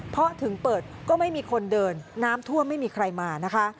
เพราะถึงเปิดก็ไม่มีคนเดินน้ำท่วมไม่มีใครมานะคะ